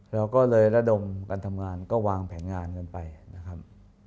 เราก็เลยระดมการทำงานก็วางแผนงานกันไปนะครับ